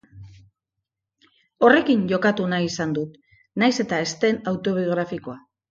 Horrekin jokatu nahi izan dut, nahiz eta ez den autobiografikoa.